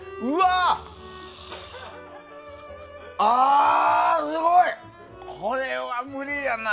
あー、すごい！